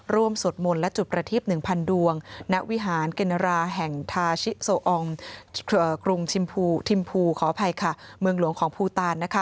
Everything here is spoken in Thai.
ร่วมสวดมนตร์และจุดประทิบหนึ่งพันดวงณวิหารเกเนอราแห่งทาชิโซองกรุงชิมพูขออภัยค่ะ